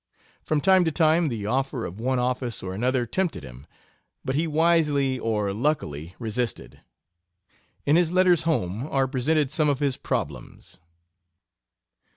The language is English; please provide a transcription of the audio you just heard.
From time to time the offer of one office or another tempted him, but he wisely, or luckily, resisted. In his letters home are presented some of his problems.